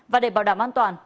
và để bảo đảm an toàn